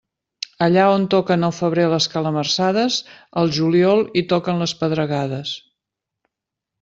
Allà on toquen al febrer les calamarsades, al juliol hi toquen les pedregades.